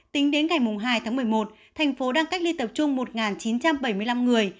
tính đến ngày hai tháng một mươi một thành phố đang cách ly tập trung một chín trăm bảy mươi năm người